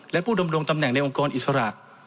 และผู้ดำรงตำแหน่งในองค์กรอิสระ